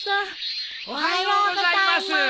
おはようございます。